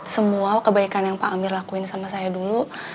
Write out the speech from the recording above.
semua kebaikan yang pak amir lakuin sama saya dulu